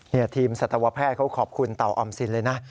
นี่ทีมสัตวแพทย์เขาขอบคุณเต่าออมสินเลยนะ